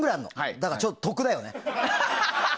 だから、ちょっと得だよね。